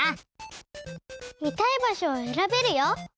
見たいばしょをえらべるよ！